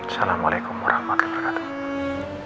assalamualaikum warahmatullahi wabarakatuh